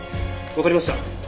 わかりました。